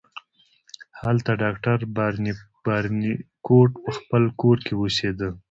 هلته ډاکټر بارنیکوټ په خپل کور کې اوسیده.